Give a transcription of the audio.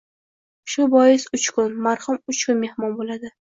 Shu bois — uch kun! Marhum uch kun mehmon bo‘ladi.